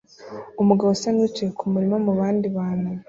Umugabo asa nuwicaye kumurima mubandi bantu